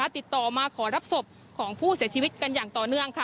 ติดต่อมาขอรับศพของผู้เสียชีวิตต่อเนื่อง